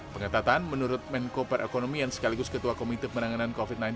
pengetatan menurut menko perekonomian sekaligus ketua komite penanganan covid sembilan belas